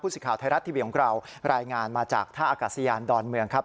สิทธิ์ไทยรัฐทีวีของเรารายงานมาจากท่าอากาศยานดอนเมืองครับ